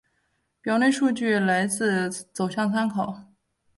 表内数据来自走向参考